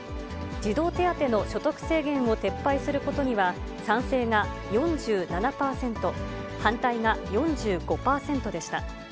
児童手当の所得制限を撤廃することには、賛成が４７％、反対が４５％でした。